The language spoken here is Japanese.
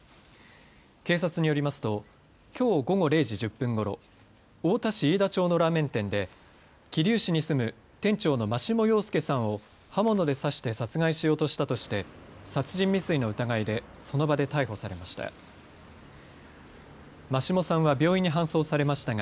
警察によりますときょう午後０時１０分ごろ、太田市飯田町のラーメン店で桐生市に住む店長の眞下陽介さんを刃物で刺して殺害しようとしたとして殺人未遂の疑いでその場で逮捕されました。